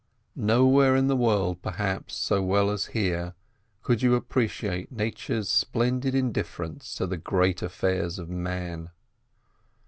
Nowhere in the world, perhaps, so well as here, could you appreciate Nature's splendid indifference to the great affairs of Man.